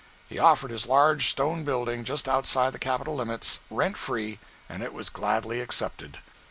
He offered his large stone building just outside the capital limits, rent free, and it was gladly accepted.